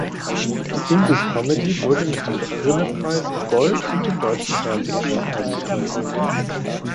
Die Imbiss-Comedy wurde mit dem Grimme-Preis in Gold und dem Deutschen Fernsehpreis ausgezeichnet.